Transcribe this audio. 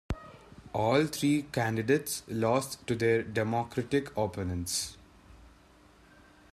All three candidates lost to their Democratic opponents.